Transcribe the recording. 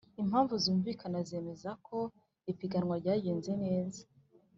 impamvu zumvikana zemeza ko ipiganwa ryagenze neza